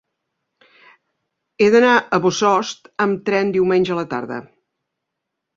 He d'anar a Bossòst amb tren diumenge a la tarda.